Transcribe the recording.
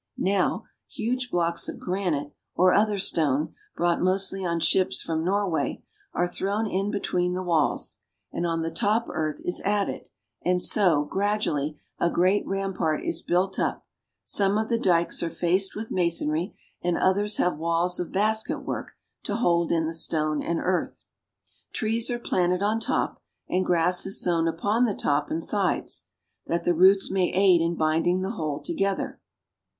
Now, huge blocks of granite or other stone, brought mostly on ships from Nor way, are thrown in between the walls, and on the top earth is added, and so, gradually, a great rampart is built up. Some of the dikes are faced with masonry, and others have walls of basketwork to hold in the stone and earth. Trees are planted on top, and grass is sown upon the top and sides, that the roots may aid in binding the whole together.